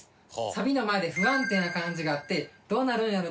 サビの前で不安定な感じがあってどうなるんやろ？